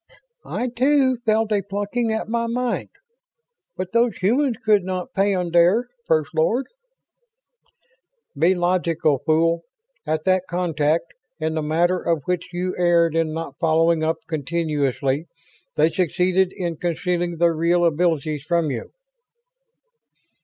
"I, too, felt a plucking at my mind. But those humans could not peyondire, First Lord." "Be logical, fool! At that contact, in the matter of which you erred in not following up continuously, they succeeded in concealing their real abilities from you."